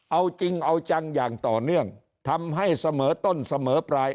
เอาจริงเอาจังอย่างต่อเนื่องทำให้เสมอต้นเสมอปลาย